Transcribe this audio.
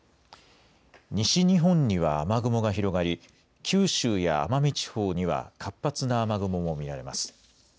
西日本には雨雲が広がり九州や奄美地方には活発な雨雲も見られます。